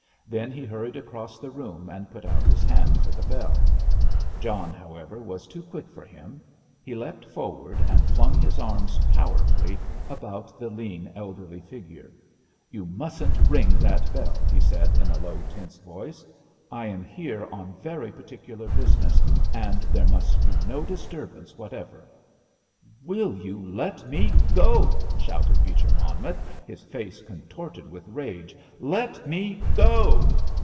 Then he hurried across the room and put out his hand for the bell. John, however, was too quick for him; he leapt forward and flung his arms powerfully about the lean, elderly figure. "You mustn't ring that bell," he said in a low, tense voice. "I am here on very particular business, and there must be no disturbance whatever." "Will you let me go?" shouted Beecher Monmouth, his face contorted with rage. "Let me go!"